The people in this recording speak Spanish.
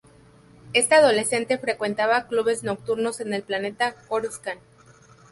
Esta adolescente frecuentaba clubes nocturnos en el planeta Coruscant.